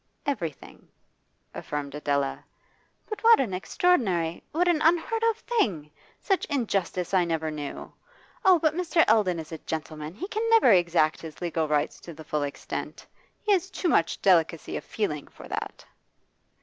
'Everything,' affirmed Adela. 'But what an extraordinary, what an unheard of thing! Such injustice I never knew! Oh, but Mr. Eldon is a gentleman he can never exact his legal rights to the full extent. He has too much delicacy of feeling for that.